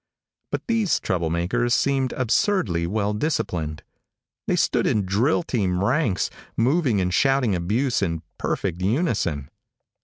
But these trouble makers seemed absurdly well disciplined. They stood in drill team ranks, moving and shouting abuse in perfect unison.